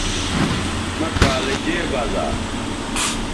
مہ کالجے بزا